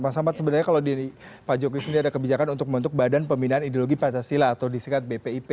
mas ahmad sebenarnya kalau di pak jokowi sendiri ada kebijakan untuk membentuk badan pembinaan ideologi pancasila atau disikat bpip